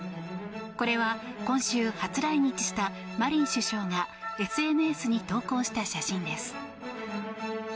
これは今週、初来日したマリン首相がＳＮＳに投稿した写真です。